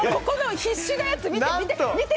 必死なやつ見て！